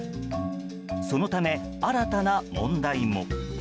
そのため、新たな問題も。